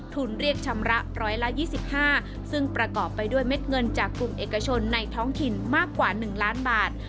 เรียกชำระ๑๒๕ซึ่งประกอบไปด้วยเม็ดเงินจากกลุ่มเอกชนในท้องถิ่นมากกว่า๑ล้านบาท